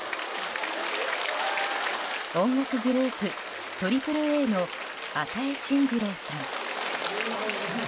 音楽グループＡＡＡの與真司郎さん。